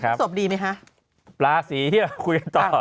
พึกศพดีไหมคะปลาสีคุยต่อ